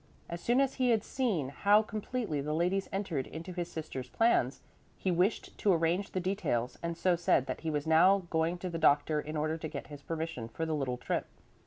As soon as he had seen how completely the ladies entered into his sister's plans, he wished to arrange the details and so said that he was now going to the doctor in order to get his permission for the little trip.